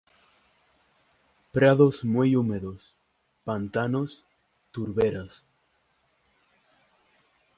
Prados muy húmedos, pantanos, turberas.